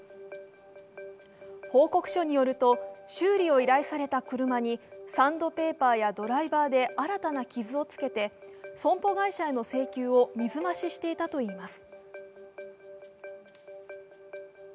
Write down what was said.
報告書によると修理を依頼された車にサンドペーパーやドライバーで新たな傷をつけて、損保会社への請求を水増ししていたといいます。